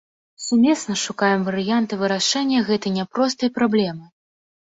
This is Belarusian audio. Сумесна шукаем варыянты вырашэння гэтай няпростай праблемы.